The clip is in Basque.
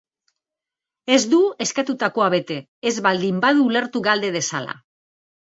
Ez du eskatutakoa bete, ez baldin badu ulertu galde dezala.